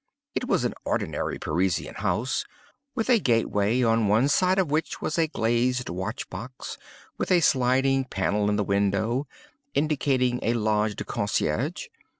It was an ordinary Parisian house, with a gateway, on one side of which was a glazed watch box, with a sliding panel in the window, indicating a _loge de concierge.